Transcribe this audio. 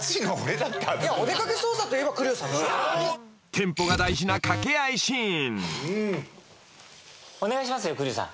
［テンポが大事な掛け合いシーン］